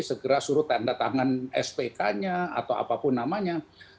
segera suruh tanda tangan spk nya atau apapun namanya